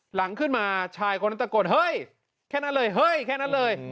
หลังขึ้นมาชายคนนั้นตะโกนเฮ้ยแค่นั้นเลยเฮ้ยแค่นั้นเลย